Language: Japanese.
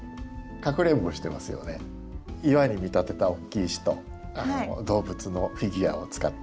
岩に見立てた大きい石と動物のフィギュアを使って。